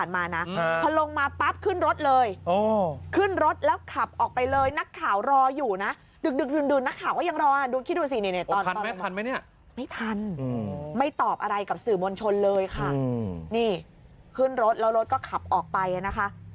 ไม่ทันไม่ตอบอะไรกับสื่อมวลชนเลยค่ะนี่ขึ้นรถแล้วรถก็ขับออกไปนะคะ